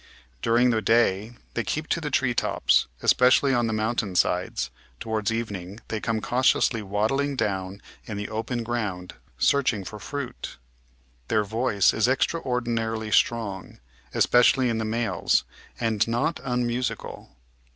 During the day they keep to the tree tops, especially on the mountain sides ; towards evening they come cautiously "wstddling" down in the open ground search ing for fruit. Their voice is extraordinarily strong, especially in the males, and not unmusical.